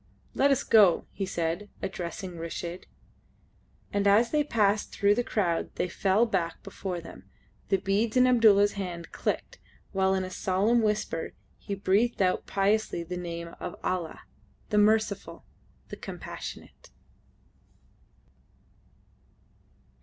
"Let us go," he said, addressing Reshid. And as they passed through the crowd that fell back before them, the beads in Abdulla's hand clicked, while in a solemn whisper he breathed out piously the name of Allah! The Merciful! The Compassionate!